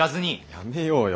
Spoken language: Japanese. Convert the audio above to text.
やめようよ